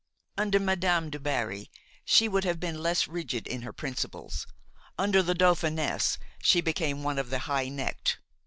Under Madame du Barry she would been less rigid in her principles; under the Dauphiness she became one of the high necked.